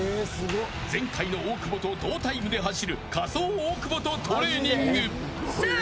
前回の大久保と同タイムで走る仮想大久保とトレーニング。